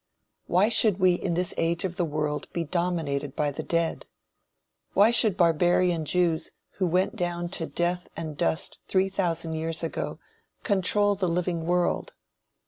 Why should we in this age of the world be dominated by the dead? Why should barbarian Jews who went down to death and dust three thousand years ago, control the living world?